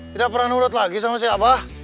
tidak pernah nurut lagi sama si abah